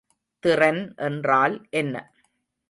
திறன் என்றால் என்ன?